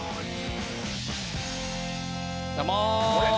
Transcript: どうも！